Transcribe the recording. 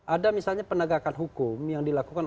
ada misalnya penegakan hukum yang dilakukan